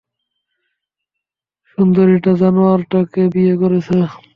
সুন্দরিটা জানোয়ারটাকে বিয়ে করেছে।